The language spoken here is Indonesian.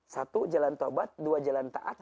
satu jalan taubat dua jalan taat